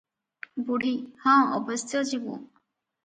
ବୁଢୀ - ହଁ ଅବଶ୍ୟ ଯିବୁଁ ।